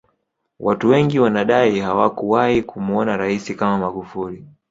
Watu wengi wanadai hawakuwahi kumuona rais kama magufuli